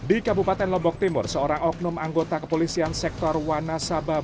di kabupaten lombok timur seorang oknum anggota kepolisian sektor wanasaba